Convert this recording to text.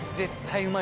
⁉うまい！